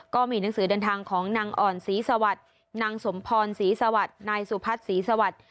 ก็มีหนังสือเดินทางของนางอ่อนศรีสวัสดิ์นางสมพรศรีสวัสดิ์นายสุพัฒน์ศรีสวัสดิ์